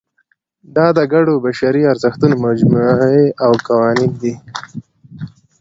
دا د ګډو بشري ارزښتونو مجموعې او قوانین دي.